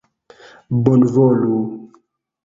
bonvolu